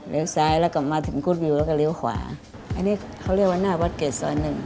ซ้ายแล้วกลับมาถึงกุ๊ดวิวแล้วก็เลี้ยวขวาอันนี้เขาเรียกว่าหน้าวัดเกรดซอยหนึ่ง